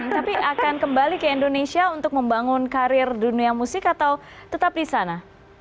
tapi akan kembali ke indonesia untuk membangun karir dunia musik atau tetap di sana